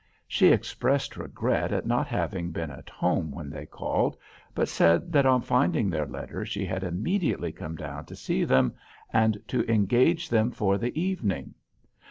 She expressed regret at not having been at home when they called; but said that on finding their letter, she had immediately come down to see them, and to engage them for the evening.